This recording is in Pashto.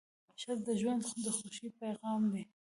ښځه د ژوند د خوښۍ پېغام ده.